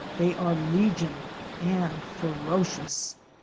30 they are legion and ferocious...